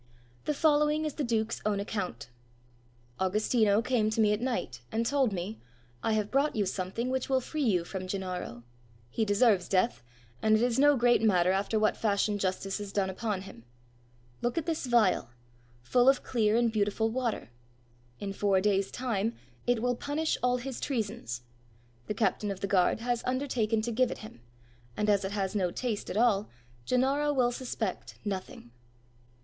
The following is the Duke's own account: "Augustino came to me at night, and told me: 'I have brought you something which will free you from Gennaro. He deserves death, and it is no great matter after what fashion justice is done upon him. Look at this vial, full of clear and beautiful water: in four days' time, it will punish all his treasons. The captain of the guard has undertaken to give it him; and as it has no taste at all, Gennaro will suspect nothing.'"